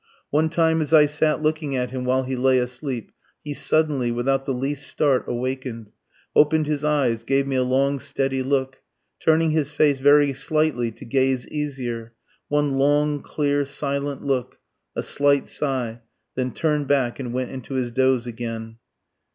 One time as I sat looking at him while he lay asleep, he suddenly, without the least start awaken'd, open'd his eyes, gave me a long steady look, turning his face very slightly to gaze easier one long, clear, silent look a slight sigh then turn'd back and went into his doze again.